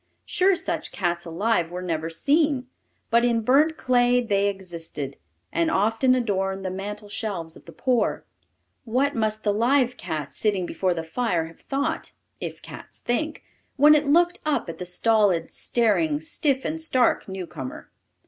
"Sure such cats alive were never seen?" but in burnt clay they existed, and often adorned the mantel shelves of the poor. What must the live cat sitting before the fire have thought if cats think when it looked up at the stolid, staring, stiff and stark new comer?